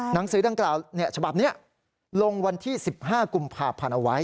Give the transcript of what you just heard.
หนังสือดังกล่าวฉบับนี้ลงวันที่๑๕กุมภาพันธ์เอาไว้